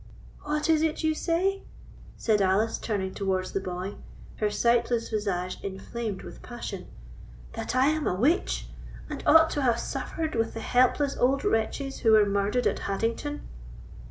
"What is it you say?" said Alice, turning towards the boy, her sightless visage inflamed with passion; "that I am a witch, and ought to have suffered with the helpless old wretches who were murdered at Haddington?"